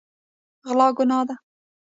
غلا ګناه ده.